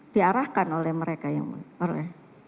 diarahkan oleh mereka yang mulia